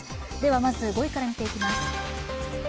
まず５位から見ていきます。